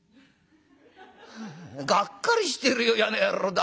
「がっかりしてるよやな野郎だ。